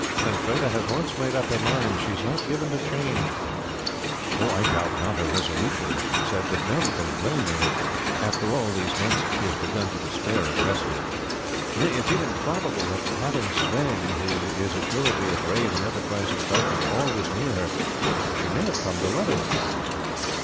"When Freda has once made up her mind she is not given to change." "I doubt not her resolution," Edmund said; "but none can blame her if, after all these months, she has begun to despair of rescue; nay, it is even probable that, having Sweyn, who is assuredly a brave and enterprising Viking, always near her, she may have come to love him."